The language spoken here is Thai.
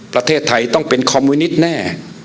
ประเทศไทยต้องเป็นคอมมิวนิตแน่